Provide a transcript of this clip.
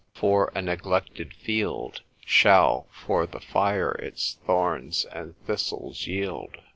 ———for, a neglected field Shall for the fire its thorns and thistles yield.